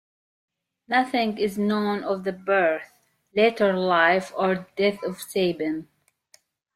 Nothing is known of the birth, later life, or death of Saban.